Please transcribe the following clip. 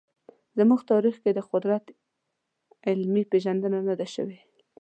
زموږ تاریخ کې د قدرت علمي پېژندنه نه ده شوې.